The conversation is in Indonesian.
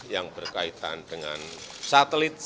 yang berkaitan dengan satelit